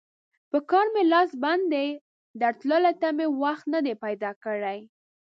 پر کار مې لاس بند دی؛ درتلو ته مې وخت نه دی پیدا کړی.